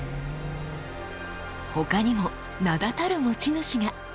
他にも名だたる持ち主が。